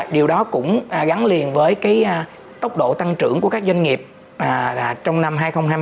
điều đó cũng gắn liền với tốc độ tăng trưởng của các doanh nghiệp trong năm hai nghìn hai mươi ba